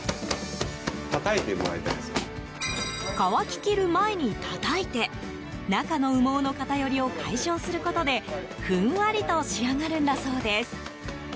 乾ききる前にたたいて中の羽毛の偏りを解消することでふんわりと仕上がるんだそうです。